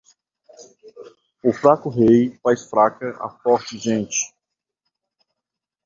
O fraco rei faz fraca a forte gente